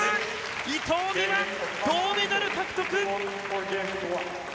伊藤美誠、銅メダル獲得！